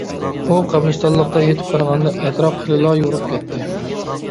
ئۇ قەبرىستانلىققا يېتىپ بارغاندا ئەتراپ خېلىلا يورۇپ كەتتى.